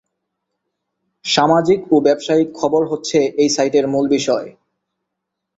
সামাজিক ও ব্যবসায়িক খবর হচ্ছে এই সাইটের মূল বিষয়।